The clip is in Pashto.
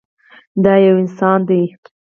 دا يو انسان ديه.